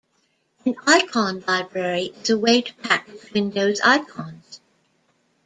An icon library is a way to package Windows icons.